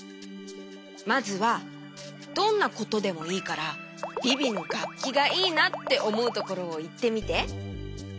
まずはどんなことでもいいからビビのがっきがいいなっておもうところをいってみて。